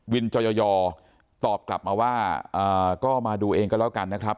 จอยตอบกลับมาว่าก็มาดูเองก็แล้วกันนะครับ